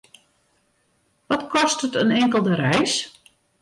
Wat kostet in inkelde reis?